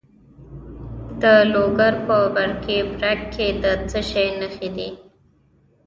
د لوګر په برکي برک کې د څه شي نښې دي؟